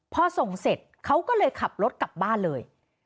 พอส่งเสร็จเขาก็เลยขับรถกลับบ้านเลย